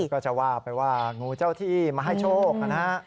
ก็จะว่าไปว่างูเจ้าที่มาให้โชคนะฮะ